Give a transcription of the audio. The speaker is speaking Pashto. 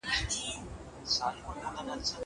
زه پرون کتابونه وړم وم.